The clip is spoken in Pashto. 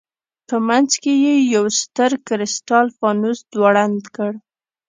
په منځ کې یې یو ستر کرسټال فانوس ځوړند کړ.